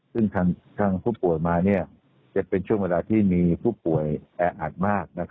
ซึ่งทางผู้ป่วยมาจะเป็นช่วงเวลาที่มีผู้ป่วยแออัดมาก